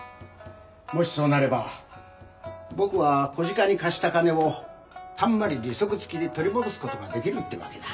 もしそうなれば僕は小鹿に貸した金をたんまり利息付きで取り戻す事が出来るってわけだ。